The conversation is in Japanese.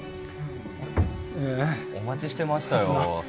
お待ちしてましたよ先生。